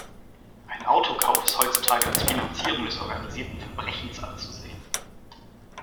Ein Autokauf ist heutzutage als Finanzierung des organisierten Verbrechens anzusehen.